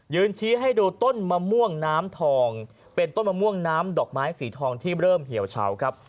ชี้ให้ดูต้นมะม่วงน้ำทองเป็นต้นมะม่วงน้ำดอกไม้สีทองที่เริ่มเหี่ยวเฉาครับ